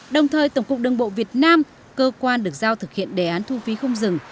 đồng thời tổng cục đường bộ việt nam cơ quan được giao thực hiện đề án thu phí không dừng